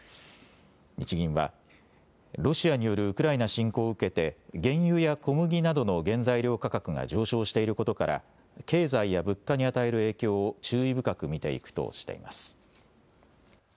日銀はロシアによるウクライナ侵攻を受けて原油や小麦などの原材料価格が上昇していることから経済や物価に与える影響を注意深く見ていくとしています。